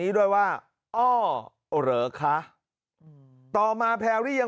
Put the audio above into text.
มีพฤติกรรมเสพเมถุนกัน